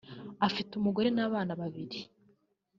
afite umugore n’abana babiri